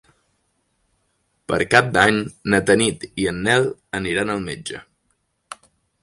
Per Cap d'Any na Tanit i en Nel aniran al metge.